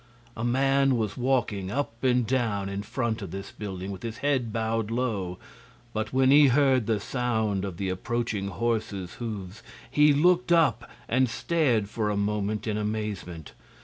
A man was walking up and down in front of this building, with his head bowed low; but when he heard the sound of approaching horses' hoofs he looked up and stared for a moment in amazement.